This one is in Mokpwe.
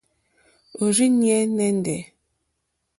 Òrzìɲɛ́ nɛ́ndɛ̀.